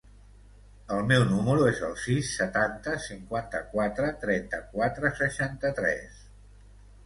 El meu número es el sis, setanta, cinquanta-quatre, trenta-quatre, seixanta-tres.